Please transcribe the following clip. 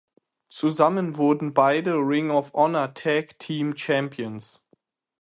Zusammen wurden beide Ring of Honor Tag-Team Champions.